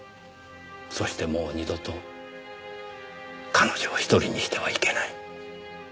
そしてもう二度と彼女を１人にしてはいけない。